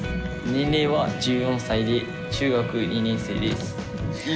年齢は１４歳で中学２年生です。